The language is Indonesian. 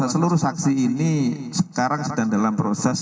seluruh saksi ini sekarang sedang dalam proses